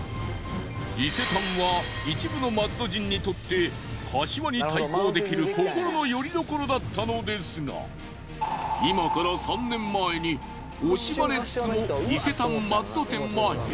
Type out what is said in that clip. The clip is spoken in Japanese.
伊勢丹は一部の松戸人にとって柏に対抗できる心の拠り所だったのですが今から３年前に惜しまれつつも伊勢丹松戸店は閉店。